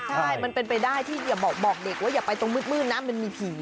ใช่มันเป็นไปได้ที่อย่าบอกเด็กว่าอย่าไปตรงมืดนะมันมีผี